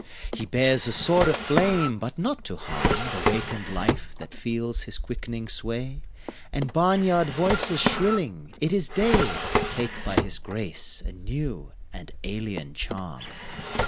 He bears a sword of flame but not to harm The wakened life that feels his quickening sway And barnyard voices shrilling "It is day!" Take by his grace a new and alien charm.